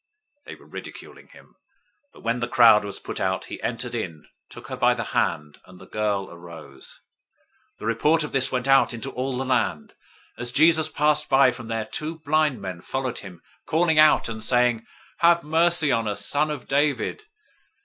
They were ridiculing him. 009:025 But when the crowd was put out, he entered in, took her by the hand, and the girl arose. 009:026 The report of this went out into all that land. 009:027 As Jesus passed by from there, two blind men followed him, calling out and saying, "Have mercy on us, son of David!"